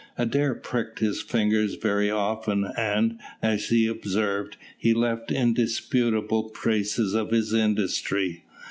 Adair pricked his fingers very often, and, as he observed, he left indisputable traces of his industry.